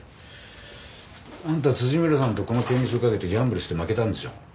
あんた村さんとこの権利書を賭けてギャンブルして負けたんでしょ？